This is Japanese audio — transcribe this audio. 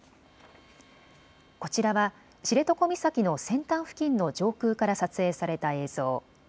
こちらは知床岬の先端付近の上空から撮影された映像。